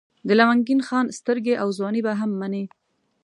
د لونګین خان سترګې او ځواني به هم منئ.